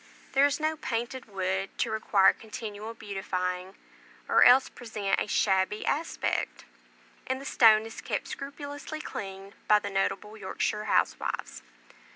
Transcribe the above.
There is no painted wood to require continual beautifying, or else present a shabby aspect; and the stone is kept scrupulously clean by the notable Yorkshire housewives.